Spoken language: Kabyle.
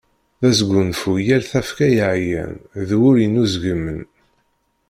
D asgunfu i yal tafekka yeɛyan, d wul yenuzegmen.